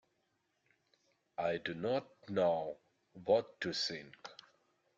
I do not know what to think.